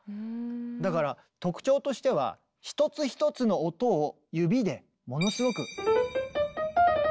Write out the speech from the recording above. だから特徴としては一つ一つの音を指でものすごく。